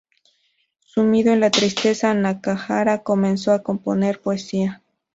Sumido en la tristeza, Nakahara comenzó a componer poesía.